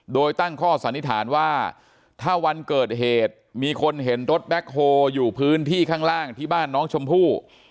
โดยตั้งข้อสันนิษฐานว่าถ้าวันเกิดเหตุมีคนเห็นรถแบ็คโฮลอยู่พื้นที่ข้างล่างที่บ้านน้องชมพู่